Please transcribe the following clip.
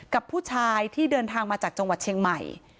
กับผู้ชายที่เดินทางมาจากจังหวัดเชียงใหม่